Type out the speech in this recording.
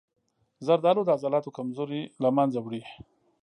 زردآلو د عضلاتو کمزوري له منځه وړي.